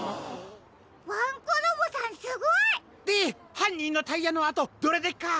ワンコロボさんすごい！ではんにんのタイヤのあとどれでっか？